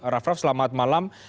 raff raff selamat malam